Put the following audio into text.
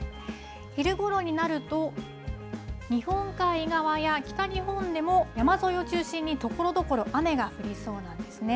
昼ごろになると、日本海側や北日本でも、山沿いを中心にところどころ、雨が降りそうなんですね。